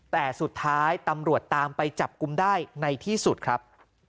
แต่สุดท้ายตำรวจตามไปจับกลุ่มได้ในที่สุดครับ